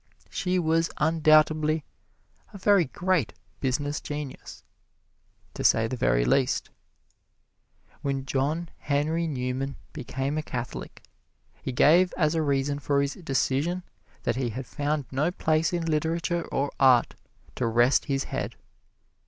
She was undoubtedly a very great business genius, to say the very least. When John Henry Newman became a Catholic, he gave as a reason for his decision that he had found no place in literature or art to rest his head.